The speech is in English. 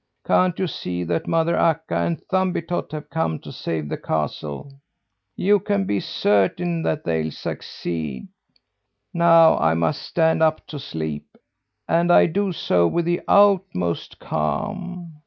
"Can't you see that mother Akka and Thumbietot have come to save the castle? You can be certain that they'll succeed. Now I must stand up to sleep and I do so with the utmost calm.